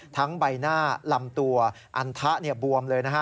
ใบหน้าลำตัวอันทะบวมเลยนะฮะ